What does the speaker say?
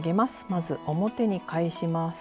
まず表に返します。